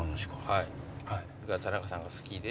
はい田中さんが好きで。